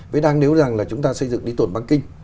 với đang nếu rằng là chúng ta xây dựng đi tổn băng kinh